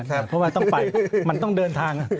เพราะว่าต้องไปมันต้องเดินทาง